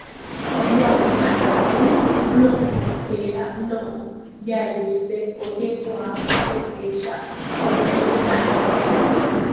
Guasu ra'y yno'õ térã Yno'õ jarýipe ojekuaa ha upéicha oñehenói.